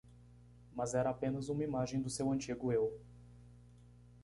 Mas era apenas uma imagem do seu antigo eu.